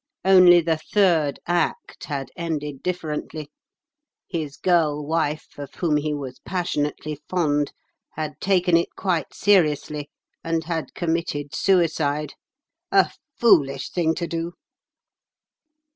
Only the third act had ended differently. His girl wife, of whom he was passionately fond, had taken it quite seriously and had committed suicide. A foolish thing to do."